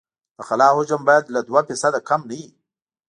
د خلا حجم باید له دوه فیصده کم نه وي